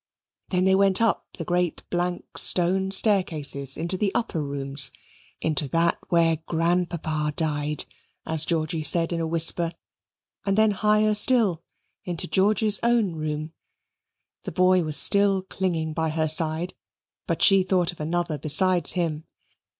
Then they went up the great blank stone staircases into the upper rooms, into that where grandpapa died, as George said in a whisper, and then higher still into George's own room. The boy was still clinging by her side, but she thought of another besides him.